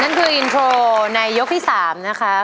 นั่นคืออินโทรในยกที่๓นะคะ